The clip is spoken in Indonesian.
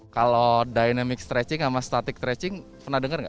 kalau dynamic stretching sama static stretching pernah dengar nggak